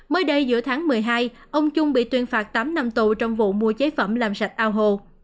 mới đây giữa tháng một mươi hai ông trung bị tuyên phạt tám năm tù trong vụ mua chế phẩm làm sạch ao hồ